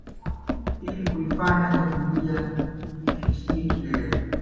Ili kuifanya tamthilia ifikiye kilele.